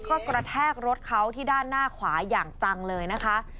ก็กระแทกรถเขาที่ด้านหน้าขวาอย่างจังเลยนะคะ